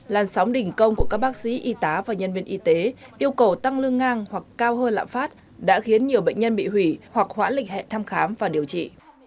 làn sóng đình công của các bác sĩ y tá và nhân viên y tế yêu cầu tăng lương ngang hoặc cao hơn lạm phát đã khiến nhiều bệnh nhân bị hủy hoặc hoãn lịch hẹn thăm khám và điều trị